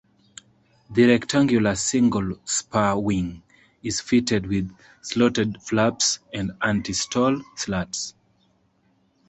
The rectangular single-spar wing is fitted with slotted flaps and anti-stall slats.